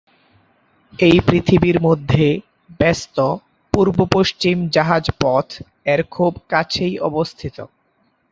এটি পৃথিবীর মধ্যে ব্যস্ত পূর্ব-পশ্চিম জাহাজ পথ এর খুব কাছেই অবস্থিত।